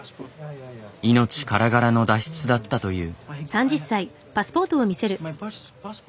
命からがらの脱出だったという。